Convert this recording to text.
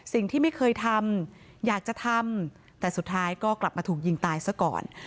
สิ่งที่ไม่เคยทำอยากจะทำแต่สุดท้ายก็กลับมาถูกยิงตายซะก่อน